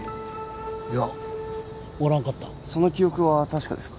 いやおらんかったその記憶は確かですか？